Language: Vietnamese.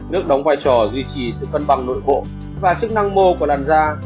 nước đóng vai trò duy trì sự cân bằng nội bộ và chức năng mô của đàn da